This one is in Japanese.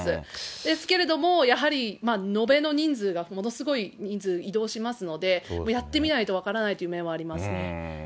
ですけれども、やはり延べの人数がものすごい人数移動しますので、やってみないと分からないというのはあります。